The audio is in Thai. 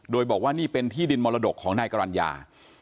โดยบอกว่านี่เป็นที่ดินมรดกของนายกรรณญา